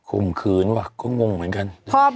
ขมขืนแหวะก็นรกเหมือนกัน